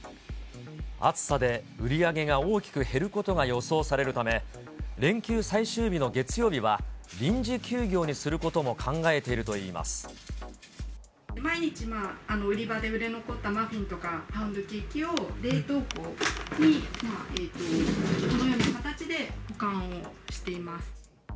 暑さで売り上げが大きく減ることが予想されるため、連休最終日の月曜日は、臨時休業にするこ毎日、売り場で売れ残ったマフィンとかパウンドケーキを、冷凍庫にこのような形で保管をしています。